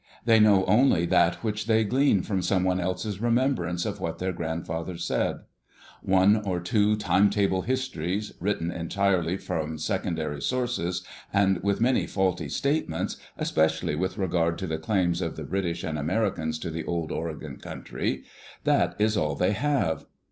They know only that which they glean from someone else's remembrance of what their grandfathers said. One or two time^Bfe.lifetoirife^s;' w&^tten entirely from secondary sources, and Widf maps f^lfy' statements, especially with regard to thf ^Itti^^'fU Aic British and Americans to the Old Oregon CoriftfVjT^Aq^t Is all they have.